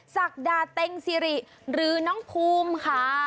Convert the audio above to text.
ศักดาเต็งซิริหรือน้องภูมิค่ะ